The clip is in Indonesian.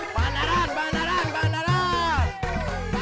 bandaran bandaran bandaran